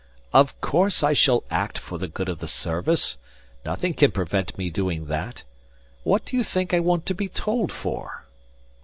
"Of course I shall act for the good of the service nothing can prevent me doing that. What do you think I want to be told for?"